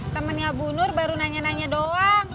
temennya bu nur baru nanya nanya doang